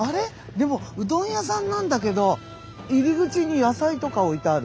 でもうどん屋さんなんだけど入り口に野菜とか置いてある。